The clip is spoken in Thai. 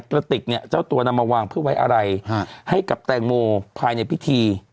กระติกเนี่ยเจ้าตัวนำมาวางเพื่อไว้อะไรให้กับแตงโมภายในพิธี